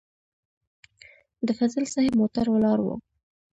د فضل صاحب موټر ولاړ و.